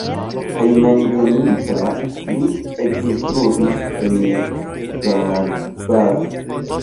Hejmenveninta li ekinstruis en Szarvas.